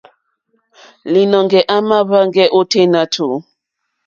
Līnɔ̄ŋgɛ̄ à màá hwēŋgɛ́ ôténá tùú.